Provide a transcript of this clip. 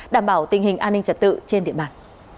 đảm bảo tình hình an ninh trật tự trên địa bàn